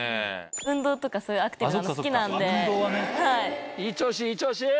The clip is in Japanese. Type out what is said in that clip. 運動とかそういうアクティブなの好きなんで。